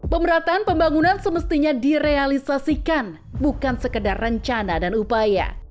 pemerataan pembangunan semestinya direalisasikan bukan sekedar rencana dan upaya